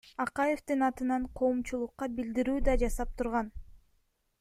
Акаевдин атынан коомчулукка билдирүү да жасап турган.